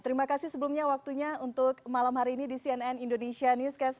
terima kasih sebelumnya waktunya untuk malam hari ini di cnn indonesia newscast